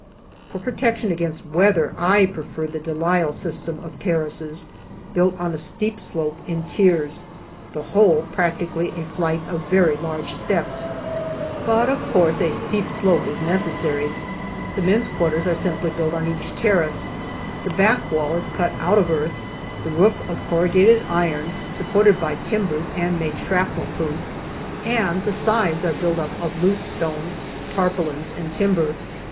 For protection against weather I prefer the de Lisle system of terraces, built on a steep slope in tiers, the whole practically a flight of very large steps. But, of course, a steep slope is necessary. The men's quarters are simply built on each terrace; the back wall is cut out of earth, the roof of corrugated iron, supported by timbers and made shrapnel proof, and the sides are built up of loose stones, tar paulins, and timber.